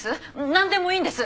なんでもいいんです！